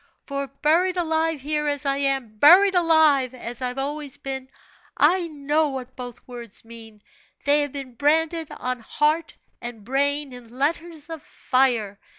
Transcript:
For, buried alive here, as I am buried alive, as I've always been I know what both words mean; they have been branded on heart and brain in letters of fire.